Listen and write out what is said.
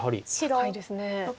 高いですね。